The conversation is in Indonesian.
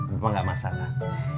bapak nggak masalah